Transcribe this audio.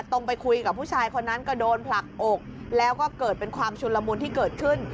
ไปคุยกับผู้ชายคนนั้นก็โดนผลักอกแล้วก็เกิดเป็นความชุนละมุนที่เกิดขึ้น